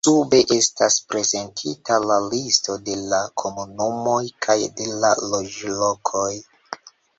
Sube estas prezentita la listo de la komunumoj kaj de la loĝlokoj.